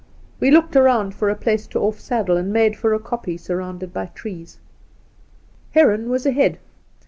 We looked around for a place to off' saddle, and made for a koppie surrounded by trees. ' Heron was ahead.